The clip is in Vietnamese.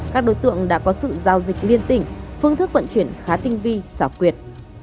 các đối tượng đã có sự giao dịch liên tỉnh phương thức vận chuyển khá tinh vi xảo quyệt